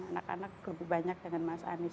anak anak lebih banyak dengan mas anies